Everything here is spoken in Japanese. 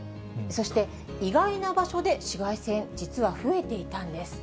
そして意外な場所で紫外線、実は増えていたんです。